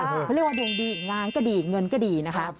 เขาเรียกว่าดวงดีงานก็ดีเงินก็ดีนะคะ